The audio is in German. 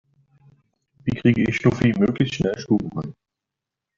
Wie kriege ich Schnuffi möglichst schnell stubenrein?